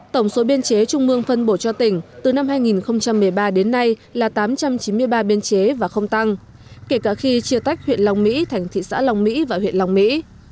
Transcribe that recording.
tổng số biên chế trung mương phân bổ cho tỉnh từ năm hai nghìn một mươi ba đến nay là tám trăm chín mươi ba biên chế và không tăng kể cả khi chia tách huyện long mỹ thành thị xã long mỹ và huyện long mỹ